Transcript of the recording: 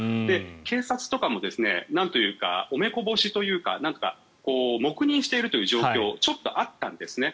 警察とかもお目こぼしというか黙認しているという状況がちょっとあったんですね。